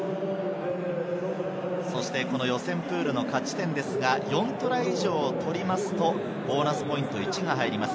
予選プールの勝ち点ですが、４トライ以上を取ると、ボーナスポイント１が入ります。